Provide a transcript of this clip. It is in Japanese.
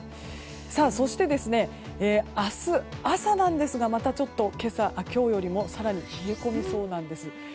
そして明日朝なんですがまたちょっと今日よりも更に冷え込みそうです。